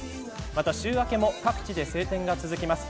週明けも各地で晴天が続きます。